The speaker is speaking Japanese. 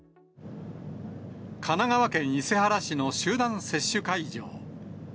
神奈川県伊勢原市の集団接種会場。